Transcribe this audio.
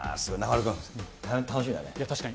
確かに。